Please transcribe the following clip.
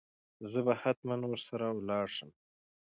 زه به هتمن ور سره ولاړ شم.